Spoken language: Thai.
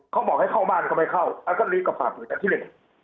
เขาบอกให้เข้าบ้านก็ไปเข้าแล้วก็ลีกกับฝากอยู่กันที่เล่น